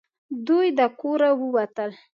دوی د کوره ووتل .